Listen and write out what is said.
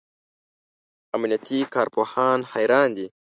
امنیتي کارپوهان حیران دي.